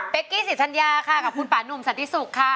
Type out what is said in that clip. เป็นกี้สิทธัญญาค่ะกับคุณป่านุ่มสันติสุขค่ะ